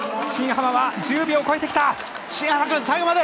新濱は１０秒超えてきた。